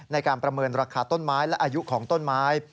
ในการประเมินราคาต้นไม้และอายุของต้นไม้